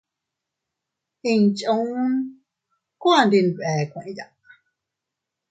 Inchuun kuu andi nbee kueʼeya.